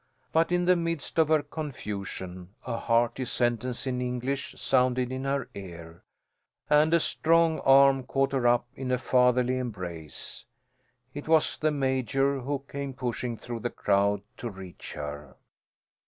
But in the midst of her confusion a hearty sentence in English sounded in her ear, and a strong arm caught her up in a fatherly embrace. It was the Major who came pushing through the crowd to reach her.